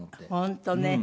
本当ね。